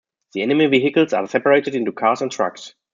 The enemy vehicles are separated into cars and trucks.